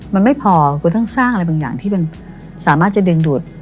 มันไม่พอคุณต้องสร้างอะไรบางอย่างที่มันสามารถจะดึงดูด